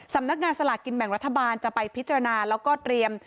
สำนักงานสลากกินแบ่งรัฐบาลจะไปพิจารณาแล้วก็เตรียม